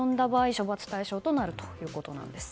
処罰対象となるということなんです。